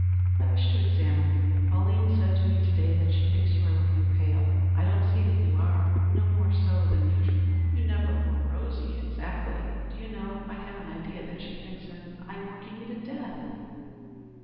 "I wish to examine you. Pauline said to me to day that she thinks you are looking pale. I don't see that you are; no more so than usual. You never were rosy exactly. Do you know I have an idea that she thinks I am working you to death."